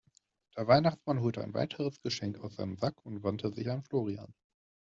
Der Weihnachtsmann holte ein weiteres Geschenk aus seinem Sack und wandte sich an Florian.